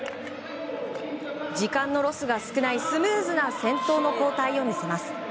時間のロスが少ないスムーズな先頭の交代を見せます。